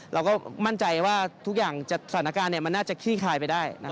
เราก็มั่นใจว่าทุกอย่างสถานการณ์เนี้ยมันน่าจะคลี่คลายไปได้นะครับ